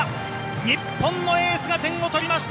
日本のエースが点を取りました。